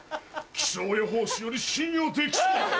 気象予報士より信用できそうだ。